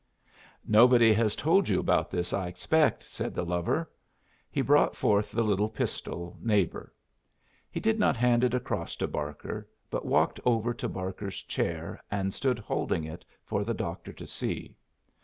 "Nobody has told you about this, I expect," said the lover. He brought forth the little pistol, "Neighbor." He did not hand it across to Barker, but walked over to Barker's chair, and stood holding it for the doctor to see.